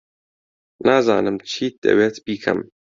نازانم چیت دەوێت بیکەم.